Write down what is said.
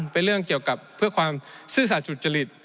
เป็นเรื่องเกี่ยวกับเพื่อความซื่อสัตว์สุจริต